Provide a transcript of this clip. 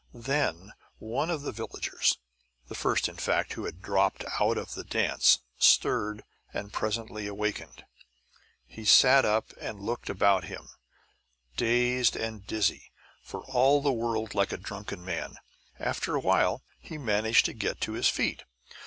Then one of the villagers the first, in fact, who had dropped out of the dance stirred and presently awakened. He sat up and looked about him, dazed and dizzy, for all the world like a drunken man. After a while he managed to get to his feet.